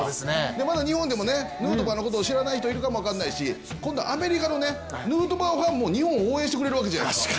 まだ日本でも、ヌートバーのことを知らない人いるかもわからないし今度はアメリカのヌートバーファンも日本を応援してくれるわけじゃないですか。